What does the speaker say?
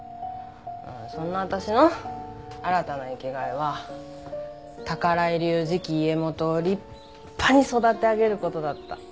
そんな私の新たな生きがいは宝居流次期家元を立派に育て上げる事だった。